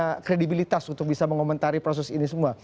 punya kredibilitas untuk bisa mengomentari proses ini semua